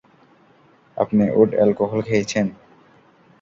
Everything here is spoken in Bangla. আপনি উড অ্যালকোহল খেয়েছেন?